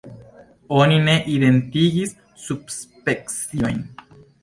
Oni ne identigis subspeciojn.